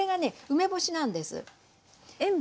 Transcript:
梅干しなんです。